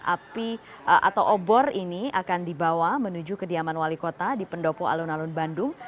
api atau obor ini akan dibawa menuju kediaman wali kota di pendopo alun alun bandung